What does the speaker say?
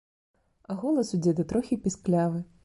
А голас у дзеда трохі пісклявы.